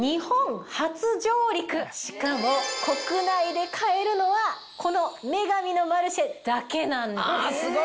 しかも国内で買えるのはこの『女神のマルシェ』だけなんです。